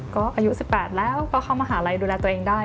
ก็อายุ๑๘แล้วก็เข้ามหาลัยดูแลตัวเองได้